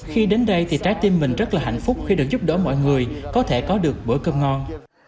khi đến đây thì trái tim mình rất là hạnh phúc khi được giúp đỡ mọi người có thể có được bữa cơm ngon